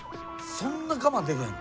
そんな我慢できへんの？